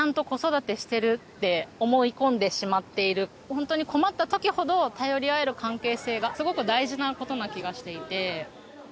本当に困った時ほど頼り合える関係性がすごく大事なことな気がしていて。